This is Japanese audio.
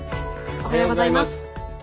おはようございます。